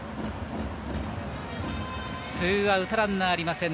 ツーアウトランナーはありません